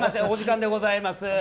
お時間でございます。